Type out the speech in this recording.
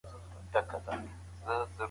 ښه حافظه د پوهي پانګه ده.